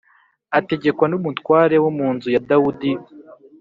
ategekwa n’umutware wo mu nzu ya Dawudi.